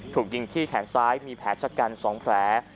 ถูกยิงที่แขนซ้ายมีแผลชะกัน๒แผล